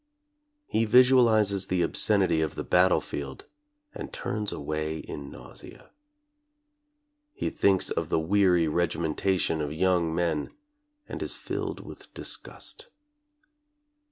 He visualizes the obscenity of the battlefield and turns away in nausea. He thinks of the weary regimentation of young men, and is filled with disgust.